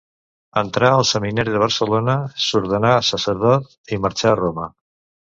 Entrà al Seminari de Barcelona, s'ordenà sacerdot i marxà a Roma.